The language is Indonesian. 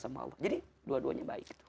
sama allah jadi dua duanya baik